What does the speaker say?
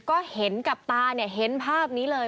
ก็เห็นกับตาเห็นภาพนี้เลย